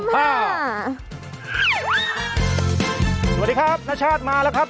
สวัสดีครับณชาติมาแล้วครับ